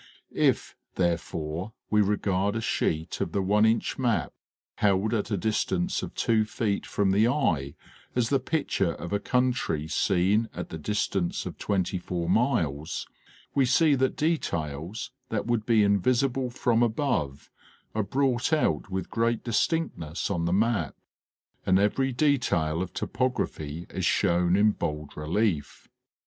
If, therefore, we regard a sheet of the one inch map held at a distance of two feet from the eye as the picture of a country seen at the distance of twenty four miles, we see that details, that would be invisible from above, are brought out with great distinctness on the map and every detail of topography is shown 256 National Geographic Magazine. in bold relief.